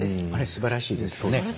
すばらしいですよね。